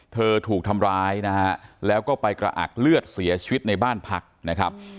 ถูกทำร้ายนะฮะแล้วก็ไปกระอักเลือดเสียชีวิตในบ้านพักนะครับ